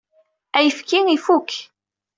Ayefki ifuk.